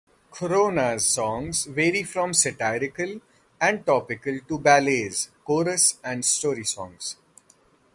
Korona's songs vary from the satirical and topical to ballads, chorus and story songs.